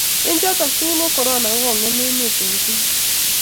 eng choto tugul ko korona ko kikongem emet eng tungul